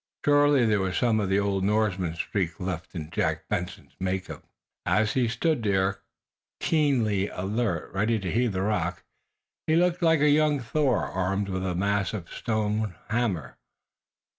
Surely there was some of the old Norseman streak left in Jack Benson's make up. As he stood there, keenly alert, ready to heave the rock, he looked like a young Thor armed with massive stone hammer.